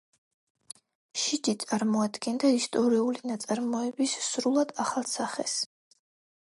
შიჯი წარმოადგენდა ისტორიული ნაწარმოების სრულიად ახალ სახეს.